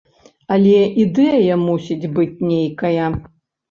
Але ідэя мусіць быць нейкая.